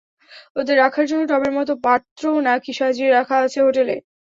ওদের রাখার জন্য টবের মতো পাত্রও নাকি সাজিয়ে রাখা আছে হোটেলে।